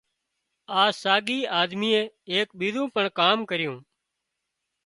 اِ ساڳِي آۮميئي ايڪ ٻِيزُون پڻ ڪام ڪريون